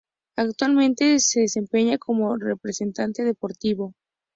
Actualmente se desempeña como representante deportivo.